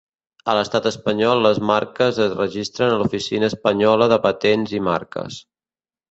A l'Estat Espanyol les marques es registren a l'Oficina Espanyola de Patents i Marques.